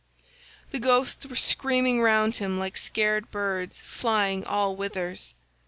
The ghosts were screaming round him like scared birds flying all whithers.